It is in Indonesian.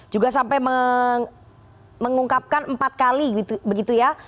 juga sampai mengungkapkan empat kali begitu ya